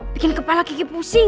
bikin kepala kiki pusing